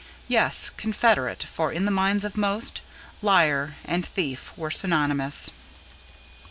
Yes, confederate; for, in the minds of most, liar and thief were synonymous.